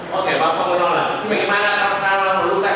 bagaimana tersangka lukas nmb